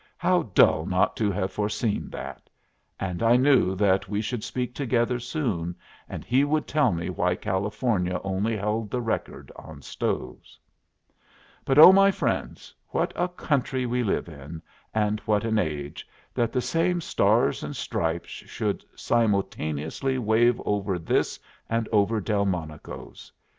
How dull not to have foreseen that! And I knew that we should speak together soon, and he would tell me why California only held the record on stoves. But oh, my friends, what a country we live in, and what an age, that the same stars and stripes should simultaneously wave over this and over Delmonico's!